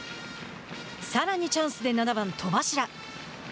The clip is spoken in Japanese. さらにチャンスで７番戸柱。